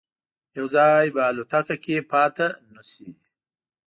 یو ځای به الوتکه کې پاتې نه شي.